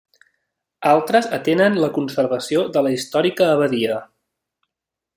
Altres atenen la conservació de la històrica abadia.